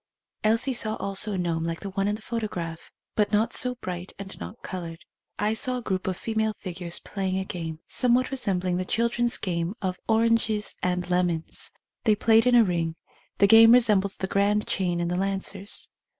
Elsie saw also a gnome like the one in the photograph, but not so bright and not coloured. I saw a group of female figures playing a game, somewhat resembling the children's game of oranges and lemons. They played in a ring; the game resembled the grand chain in the Lan cers.